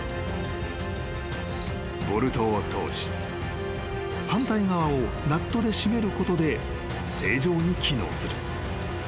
［ボルトを通し反対側をナットで締めることで正常に機能する］